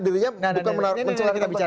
dia menaruhkan obat